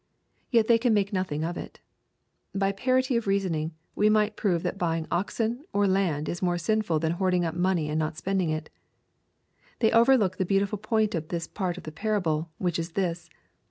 Yet they can make nothing of it. By parity of reasoning, we might prove that buying oxen, or land, is more sinful than hoarding up money and not spending it. They over look the beautiful point of this part of the parable, which is this.